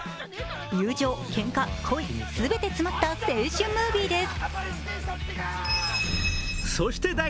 友情、けんか、恋、全て詰まった青春ムービーです。